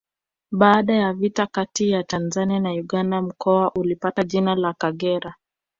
Baada ya vita kati ya Tanzania na Uganda mkoa ulipata jina la Kagera